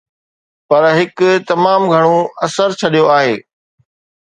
پر هڪ تمام گهرو اثر ڇڏيو آهي.